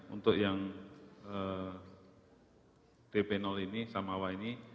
untuk yang dp ini samawa ini